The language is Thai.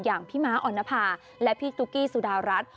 อย่างพี่ม้าออนภาและพี่ตุ๊กกี้สุดารัฐ